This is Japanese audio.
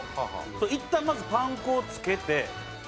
いったんまずパン粉をつけてこの卵液。